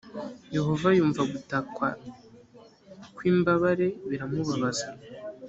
yehova yumva gutakwa kw ‘imbabare biramubabaza.